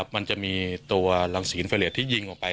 มันจะมีตัวหลังสีอินฟาร์เรทที่ยิงออกไป